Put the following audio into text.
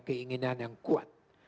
keinginan yang kuat